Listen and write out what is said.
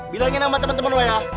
bilangin sama temen temen lo ya